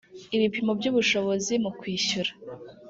ibipimo by ubushobozi mu kwishyura